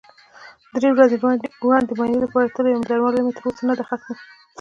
درې ورځې وړاندې د معاینې لپاره تللی وم، درملنه مې تر اوسه نده ختمه.